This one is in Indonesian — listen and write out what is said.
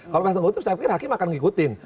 kalau penasihat hukum saya pikir hakim akan mengikuti